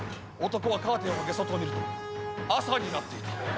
［男はカーテンを開け外を見ると朝になっていた］